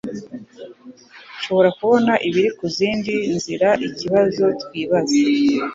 Nshobora kubona ibiri ku zindi nziraikibazo twibaza